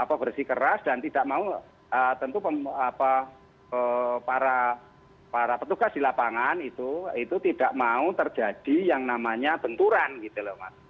apa bersih keras dan tidak mau tentu para petugas di lapangan itu tidak mau terjadi yang namanya benturan gitu loh mas